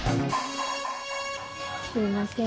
すいません